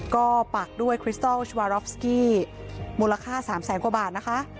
ก็ปักด้วยคริสตอลชาวารอฟสกี้มูลค่า๓แสนกว่าบาทนะคะ